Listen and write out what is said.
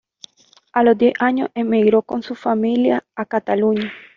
A los diez años emigró con su familia a Cataluña.